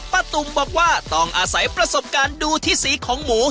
ตุ่มบอกว่าต้องอาศัยประสบการณ์ดูที่สีของหมู